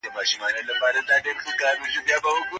علمي څیړنه نوې نظریات وړاندې کوي.